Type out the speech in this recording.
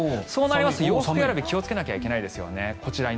そうなりますと洋服選び気をつけないといけないですよね